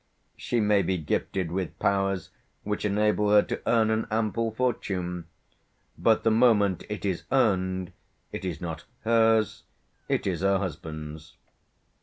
She may be gifted with powers which enable her to earn an ample fortune, but the moment it is earned, it is not hers,' it is her husband's.